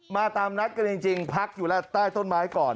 มาตามนัดกันจริงพักอยู่แล้วใต้ต้นไม้ก่อน